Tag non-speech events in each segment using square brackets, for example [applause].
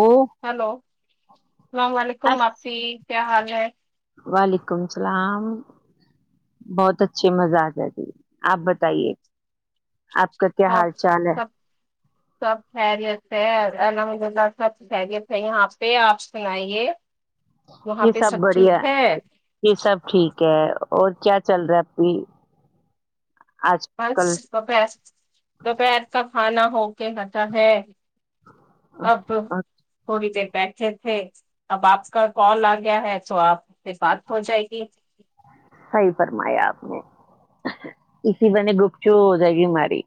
او hello اللام وعلیکم باپی کیا حال ہے وعلیکم اللام بہت اچھھی مزاق ہے تھی آپ بتائیے آپ کا کیا حال آپ چال ہے سب سب خیریت ہے الحمد للہ سب خیریت ہے یہاں پہ آپ سنائیے وہاں یہ پہ سب بڑھیا ٹھیک ہے یہ سب ٹھیک کہ اور کیا چل رہا ہے اھی بس دوپہر دوپہر سب کھانا ہو کے کتا ہے اب ہوگ ت بیٹھے تھے اب آپ کا کال آ گیا ہے سو آپ بات ہو جائے گی صحیح فرمایا آپ نے ای سی ب نے گپچو ہو جائے گی ماری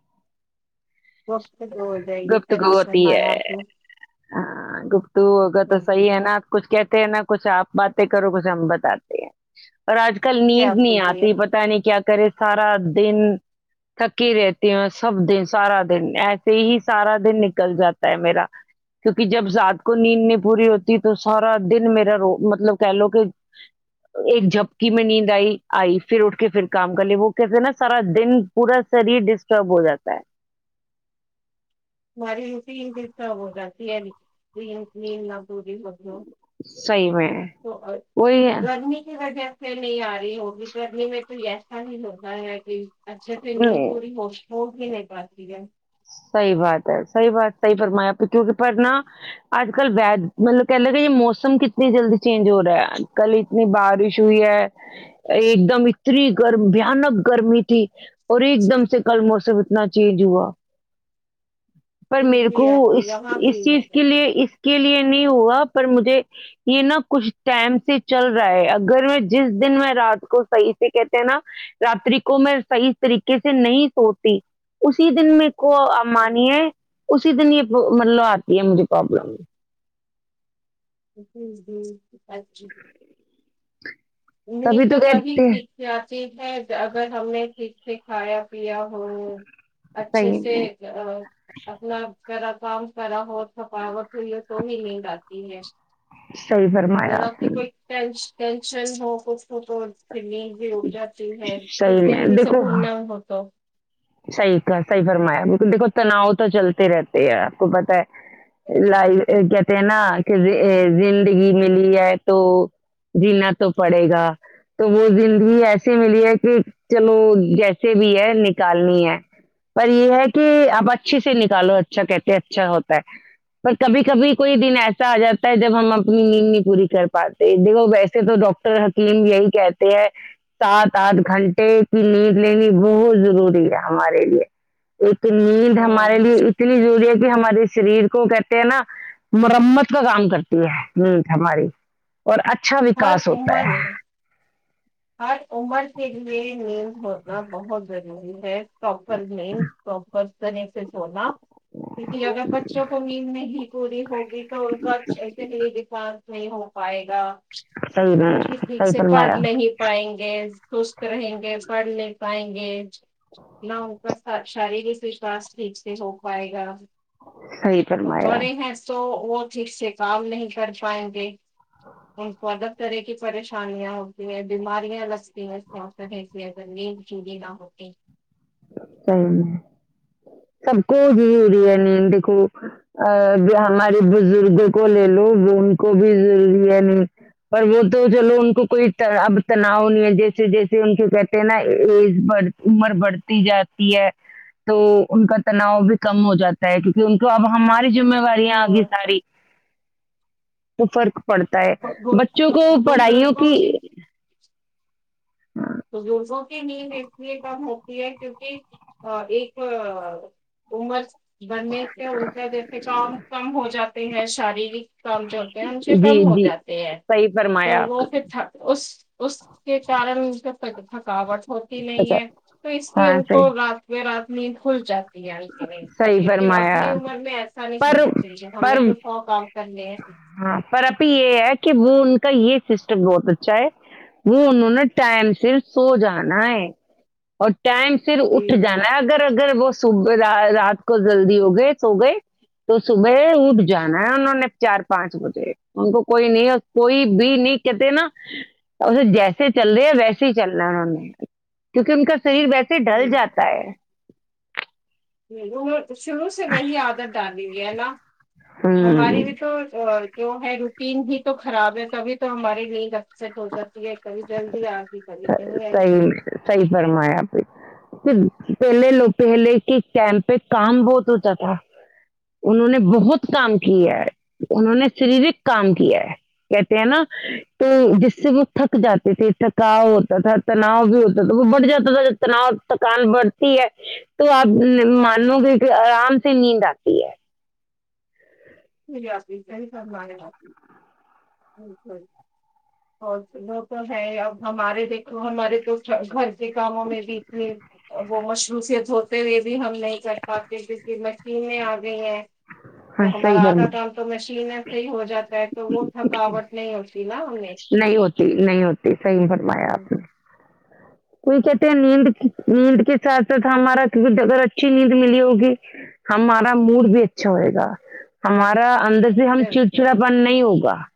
وقت بول جائے گی تری ہوتی ہے شرمایا آپ تو ہاں گ تو ہوگا تو صحی ہے نا آپ کچھ کہ نہ کچھ آپ باتیں کرو کچھ ہممبت ستے ہیں اور آج کل نیند آپ نہیں بولیے آتی پتاہ نہیں کیا کرے سارا دن تھکی رہتی ہیں سب دن سارا دن ایسے ہی سارا دن نکل جاتا ہے میرا کیونکہ جب رات کو نیند نہیں پوری ہوتی تو سارا دن میرا رو مطلب کہ لو کہ ایک جھپکی میں نیند آئی آئی پھر اٹھ کے پھر کام کر لے وہ کہتے ہیں نا سارا دن پورا شریر ڈسٹرب ہو جاتا ہے مری تینتب گا تینینین دی ہو صحیح میں تو وہی ہے، گرمی کی وجہ پھر نہیں آ رہی ہو بھی کرنے میں تو ایسا ہی ہوتا ہے کہ اچھا تین ہی پوری ہو بوک بھی نہیں پاتی ہے صحی بات ہے صحی بات صحی فرمایا پ کیونکہ پر نا آج کل و مطلب کہ ل گا یہ موسم کتنی جلدی چینج ہو رہا ہے کل اتنی بارش ہوئی ہے ایک دم اتنی گرم بانک گرمی تھی اور ایک دم سے کل موسم نہ چینج ہوا پر میرے جی کو آتی اس یہاں بھی اس چیز ہوتا کے لیے اس کے لیے نہیں ہوا پر مجھے یہ نا کچھ ٹائم سے چل رہا ہے اگر میں جس دن میں رات کو صحیح سے کہتے ہیں نا راتری کو میں صحیح طریقے سے نہیں سوتی اسی دن میں کو ہے۔ مانیے اسی دن یہ مطلو آتی ہے مجھے پرابلم ج جی اچ نہیں تو تبھی سیکھ جتی ہے اگر ہم نے کے کھایا پیا ہووں اچھے صحیح سے میں اپنا پیرا کام کرا ہو تھکاوٹ یہ تو ہی نیند آتی ہے صحیح فرمایا ذرا آپ سی نے کوئی ٹینشن ہو خ خک سنی بھی ا جاتی ہے اس صحیح میں دہنی سے دیکھو پورنام ہوتا ب دیکھو تناؤ تو چلتے رہتے ہے آپ کو پتہ ہے ال گ نا کہ زندگی ملی ہے تو جینا تو پڑے گا تو وہ ایس ملی ہے کہ چلو جیسے بھی ہے نکالنی ہے پر یہ ہے کہ آپ اچھے سے نکالو اچھا کہتے اچھا ہوتا ہے پر کبھی کبھی کوئی دن ایسا آ جاتا ہے جب ہم اپنی نیند نہیں پوری کر پاتے دیکھو ویسے تو ڈاکٹر حکیم یہی کہتے ہیں سات آٹھ گھنٹے کی نیند لینی بہت ضروری ہے ہمارے لیے نیند ہمارے ہوں، لیے اتنی ضروری ہے کہ ہمارے شریر کو کہتے ہیں نا مرمت کا کام کرتی ہے نیٹ ہماری اور اچھا ہر وکاس ہوتا عمر ہے ہر عمر سے جوے نے ب آ بہت ب ہے پراپر مین پروپر طری سے سنا کیونکہ اگر بچوں کو میند نہیں پوری ہوگی تو ان کا اچھے سے لیے ڈفرنس نہیں ہو پائے گا صحیح میں وہ بھی ٹھیک صحیح سے پڑھ فرمایا نہیں پائیں گے سست رہیں گے پڑھ ل پائیں گے نہ ان کا شارییرک وشاس ٹھیک سے ہو پائے گا صحیح فرمایا بڑے ہیں تو [unintelligible] وہ ٹھیک سے کام نہیں کر پائیں گے ان کو الگ طرح کی پریشانیاں ہوتی ہیں بیماریاں لگتی ہیں سوسنے سےگر نیند چڑی نہ ہوتی صی سب کو ضروری ہے نہیں دیکھو ہمارے بزرگ کو لے لو وہ ان کو بھی ضروری ہے نہیں اور وہ تو چلو ان کو کوئی اب تناؤ نہیں ہے جیسے جیسے ان کو کہتے ہیں نا ایج بڑ عمر بڑھتی جاتی ہے تو ان کا تناؤ بھی کم ہو جاتا ہے کیونکہ ان کو اب ہمارے اری جذمےوارییا آگی ہوں، ساری ا فر پڑتا ہے ب- بچوں کو ب- پڑھائیوں کی بزرگوں ت دور سو نیل ریسی ایک کام ہو کیونکہ ایک عمر بننے سے وہ کیا دیتے کام کم ہو جاتے ہیں شارییرک کام جو ہوتے ہیں ان سے جی کم ہو جی جاتے ہیں صحیح فرمایا تو آپ وہ پھر اس اس کے کارن کا تھا کا ب [unintelligible] ہوتی نہیں اچھا ہے تو اس لیے ہاں ان کو صحیح رات ب رات نیند ہول جات نہیں صحیح لیکن اپنی فرمایا عمر میں ایسا نہیں پر ہونا چاہی ہم نے پر تو فق ہاں پر ابھی یہ ہے کہ وہون یہ سسٹم بہت اچھا ہے وہ انہوں نے ٹائم سے سو جانا ہے اور ٹائم پھر اٹھ جانا ہے اگر اگر وہ صبح رات کو جلدی ہو گئے سو گئے تو صبح اٹھ جانا ہے انہوں نے چار پانچ بجے ان کو کوئی نہیں کوئی بھی نہیں کہتے نا اسے جیسے چل رہے ہیں ویسے ہی چل رہناا ہے انہوں نے کیونکہ ان کا شریر ویسے ڈل جاتا ہے م وہ شروع سے وہی عادت ڈ دیں گی اللہ ہوں ہماری بھی تو ہے روٹین بھی تو خراب ہے تبھی تو ہمارے لیے سیٹ ہو جاتی ہے ا بھی جلدی آا سی سی فرمائ آپی [unintelligible] پھر پہلے لو پہلے کے کیمپ پہ کام بہت اچا تھا انہوں نے بہت سب کام کی ہے [inaudible] انہوں نے شریرک کام کیا ہے کہتے ہیں نا تو جس سے وہ تھک جاتے تھے تھک کاؤ ہوتا تھا تناؤ بھی ہوتا تھا وہ بڑھ جاتا تھا ج تناؤ تھکان بڑھتی ہے تو آپ مانو گے کہ آرام سے نیند آتی ہے پ ہمارے اور وہ تو ہے ا ہمارے دیکھو ہمارے تو گھر کے کاموں میں بھی تھی وہ مصروفیت ہوتے ہوئے بھی ہم نہیں کر پاتے ج مشین آ گئی ہیں تو ہاں صیح ہمارا بر کام تو مشین سے ہی ہو جاتا ہے تو وہ تھکاوٹ نہیں ہوتی نا ان میں نہیں ہوتی نہیں ہوتی صحی فرمایا ہوں، آپ نے کوئی کہتے ہیں نیند نیند کے ساتھ ساتھ ہمارا اگر اچھی نیند ملی ہوگی ہمارا موڈ بھی اچھا ہوئے گا ہمارا اندر سے ہم بالکل چڑچڑا بن نہیں ہوگا [inaudible]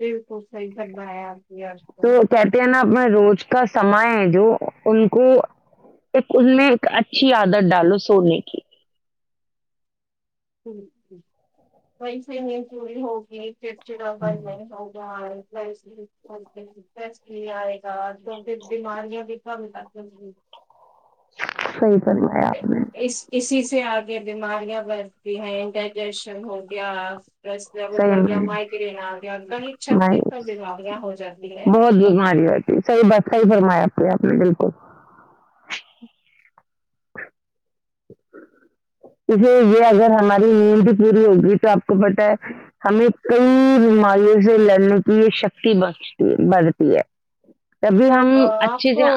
یہ بھی تو سح ہی سا ہےار تو کیاتےنا اپ میں رو کا سما ہے جو ان کو ایک ان میں ایک اچھی عادت ڈالو سونے کی ہ وی سے م چی ہوگی پھر [unintelligible] کچ ڈا پ س ڈ آ بس کی آئے گا توکہ بیماریاں بھی کم کری سی کرو ہے آپ نے اسی اس سے آگے بیماریاں بھتی ہیں ڈائجیشن ہو گیا رس لیول پر صحیح گیا ماہتی دین آ گ گنیت میں چھتی پر ج بابیا ہو جات گ ہے صحی بات صحی فرمایا آ کی آپ نے بالکل اسے یہ اگر ہماری نیند پوری ہوگی تو آپ کو پت ہے ہمیں کئی بیماریوں سے لڑنے کی یہ شکتی بڑتی بڑھتی ہے تبھی ہم آپ اچھی سے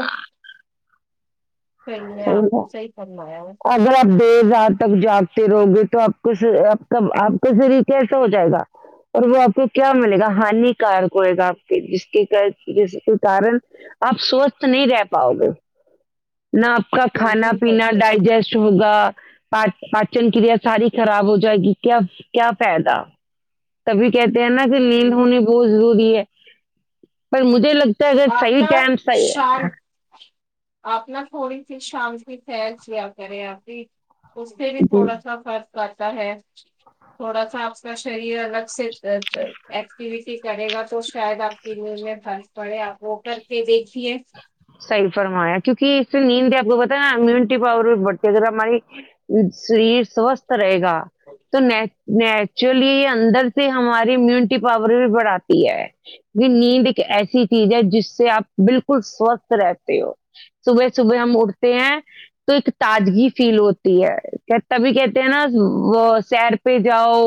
صحی نہیں آپ کو صحیح کرناات عضرب دزات تک جاگتے رہو گے تو آپ کو آپ کا آپ کا شری کیسا ہو جائے گا اور وہ آپ کو کیا ملے گا ہانیکارک ہوئے گا آپ کے جس کے جس کے کارن آپ سوستھ نہیں رہ پاؤ گے نہ آپ کا جی کھانا جی کر پینا سکتی ہوگا پاچن کریا ساری خراب ہو جائے گی کیا کیا پائدا تبھی کہتے سا کے نیند ہوں۔ ہونے بہت ضرور بھی ہے پر مجھے لگتا ہے اگر صحیح آنا ٹائم صحیح شان آنا تھوڑی سی شان سل سیا کرے آپ بھی اس سے بھی ہے جی تھوڑا سا خرچ آتا ہے تھوڑا سا آپ کا شریر الگ سے ایکٹیویٹی کرے گا تو شاید آپ کی میںھر پڑے آپ ر کر کے دیکھ صحی فرمایا کیونکہ سے نیند آپ کو بت ہے نا امیونٹی پاور بھی بڑھتی ہے اگر ہماری شریر سوستھ رہے گا گ تو ن نیچرلی اندر سے ہماری امیونٹی پاور بھی بڑھاتی ہے نیند ایک ایسی چیز ہے جس سے آپ بالکل سوستھ رہتے ہو صبح صبح ہم اٹھتے ہیں تو ایک تازگی فیل ہوتی ہے تبھی کہتے ہیں نا وہ سیر پہ جاؤ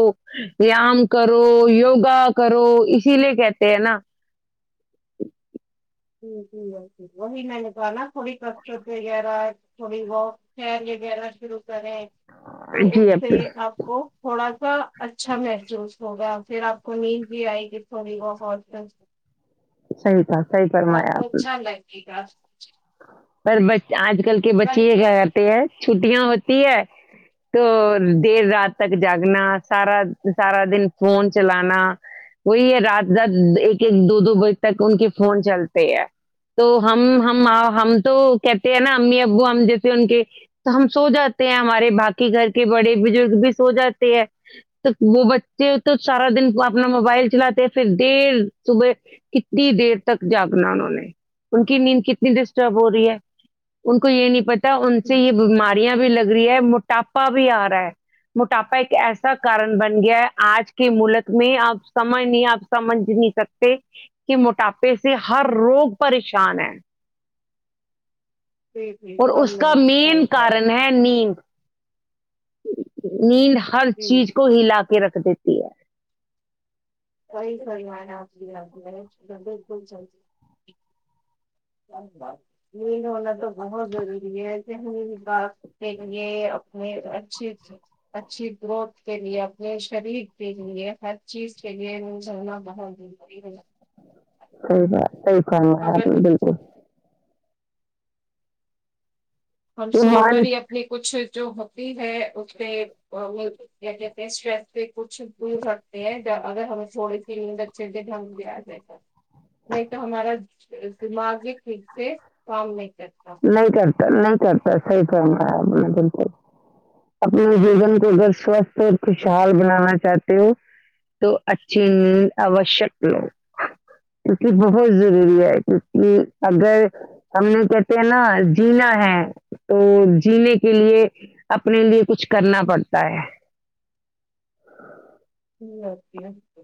ویام کرو یوگا کرو اسی لیے کہتے ہیں نا جٹ ٹیک ہے وہی میں نے تو نا تھوڑی کسرت وغیرہ تھوڑی بت ش یہ بینا شرو کریں تو اس جی سے نے آپ کو تھوڑا سا اچھا محسوس ہوگا پھر آپ کو امید بھی آئے گی تھوڑی بہت سیتا تو آپ کو ا چھان لگے گا پر ب آج کل کے بچے یہ رائٹ کیا کرتے ہیں چھٹیاں ہوتی ہے تو دیر رات تک جاگنا سارا سارا دن فون چلانا وہی ہے رات رات ایک ایک دو دو بجے تک ان کے فون چلتے ہے تو ہم ہم ہم تو کہتے ہیں نا امی ابو ہم جیسے ان کے تو ہم سو جاتے ہیں ہمارے باقی گھر کے بڑے بزرگ بھی سو جاتے ہیں تو وہ بچے تو سارا دن اپنا موبائل چلاتے ہیں پھر دیر صبح کتنی دیر تک جاگنا انہوں نے ان کی نیند کتنی ڈسٹرب ہو ہے ان کو یہ نہیں پتا ان سے یہ بیماریاں بھی لگ رہی ہے مٹ موٹاپا بھی آ رہا ہے موٹاپا ایک ایسا کارن بن گیا ہے آج کے ملک میں آپ سمجھ نہیں آپ سمجھ نہیں سکتے کہ موٹاپے سے ہر روگ پریشان ہے جی جی اور اس ہم کا لوگ مین صحیح کہہ رہے ہیں کارن ہے نیند نین ل [unintelligible] ہر چیز جی کو ہلا کے رکھ رکھ دیتی ہے [inaudible] کئی گھرو ن آپ گ گھر بکل چلتی ن ہونا تو بہت ضروری ہےسے م با کے لیے اپنے اچھی اچھی گروتھ کے لیے اپنے شریر کے لیے ہر چیز کے لیے م ہوھونا بہت ضروری ہے ہو جا [unintelligible] صحی فانوایا آپ اگر نے بالکل ہم یہ سو مان کر ہی اپنے کچھ جو ہوتی ہے اس پہ کیا کہتے اسٹریس پہ کچھ دور رکھتے ہیں اگر ہمیں تھوڑی سید اچے سے ڈنگ لے آ جائے گا نہیں تو ہمارا دماغی سے کام نہیں کرتا نہیںٹ [unintelligible] نہیں کرتا صحیح کہنا ہے مطلب اپنے جین کو اگر سوستھ اور خوشحال بنانا چاہتے ہو تو اچھی نیند آوشک لو کیہ بہت ضروری ہے کیک اگر ہم نے کہ نا جینا ہے تو جینے کے لیے اپنے لیے کچھ کرنا پڑتا ہے جی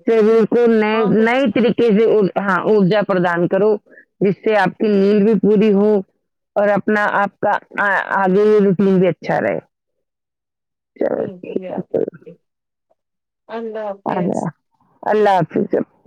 شریر کو ن نئی طریقے سے ہاں ارجا پردان کرو جس سے آپ کی لییل بھی پوری ہو اور اپنا آپ کا آگے ہول بھی اچھا رہے چلو ٹھیک ہے [unintelligible] اللہ حافظ [inaudible]